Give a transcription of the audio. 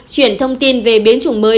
chuyển thông tin về biến chủng mới